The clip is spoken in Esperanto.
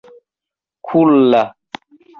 Kulla!